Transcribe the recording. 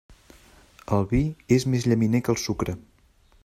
El vi és més llaminer que el sucre.